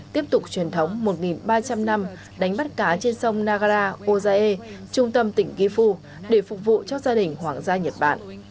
tiếp tục truyền thống một ba trăm linh năm đánh bắt cá trên sông nagara ozae trung tâm tỉnh gifu để phục vụ cho gia đình hoàng gia nhật bản